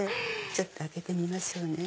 ちょっと開けてみましょうね。